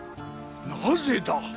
なぜだ？